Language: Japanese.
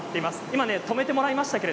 今、止めてもらいました。